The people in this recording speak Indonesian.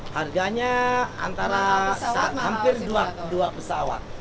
harganya antara hampir dua pesawat